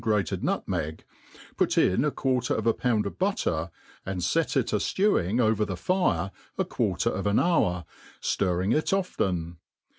grated^ Dutmeg^ pot in a quarter of a pound of buusr, and fer it a ftewing over the fire a quartcrof an hour, ftirring it often.